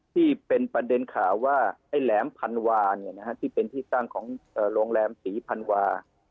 ที่เป็นประเด็นข่าวว่าไอ้แหลมพันวาที่เป็นที่ตั้งของโรงแรมศรีพันวา